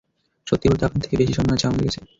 সত্যি বলতে, আপনাদের থেকে বেশি সম্মান আছে আমাদের কাছে।